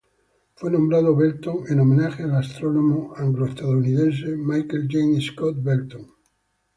Fue nombrado Belton en homenaje al astrónomo anglo-estadounidense Michael James Scott Belton.